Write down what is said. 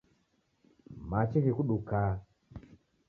Machi ghikuduka